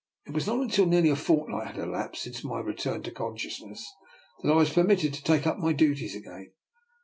It was not until nearly a fortnight had elapsed, since my re turn to consciousness, that I was permitted to take up my duties again.